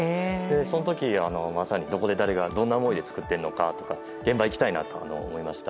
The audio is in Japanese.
その時、まさにどこで誰がどんな思いで造っているのかとか現場に行きたいなと思いました。